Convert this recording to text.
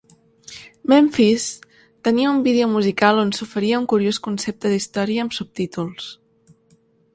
"Memphis..." tenia un vídeo musical on s'oferia un curiós concepte d'història amb subtítols.